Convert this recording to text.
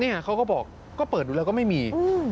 เขาก็บอกก็เปิดดูแล้วก็ไม่มี